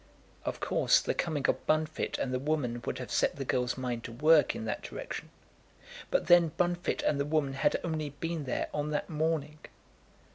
Of course, the coming of Bunfit and the woman would have set the girl's mind to work in that direction; but then Bunfit and the woman had only been there on that morning.